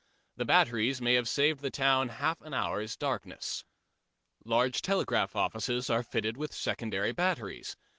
The batteries may have saved the town half an hour's darkness. Large telegraph offices are fitted with secondary batteries.